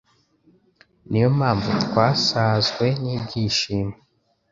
ni yo mpamvu twasazwe n’ibyishimo